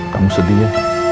kamu sedih ya